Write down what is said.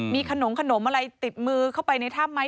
มีขนมขนมอะไรติดมือเข้าไปในถ้ำไหม